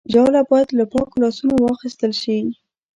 ژاوله باید له پاکو لاسونو واخیستل شي.